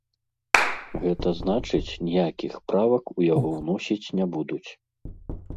Гэта значыць, ніякіх правак у яго ўносіць не будуць.